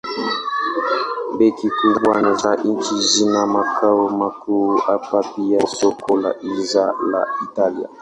Benki kubwa za nchi zina makao makuu hapa pia soko la hisa la Italia.